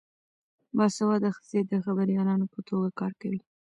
باسواده ښځې د خبریالانو په توګه کار کوي.